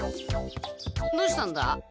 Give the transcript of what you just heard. どうしたんだ？